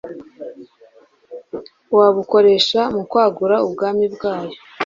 wabukoresha mu kwagura ubwami bwayo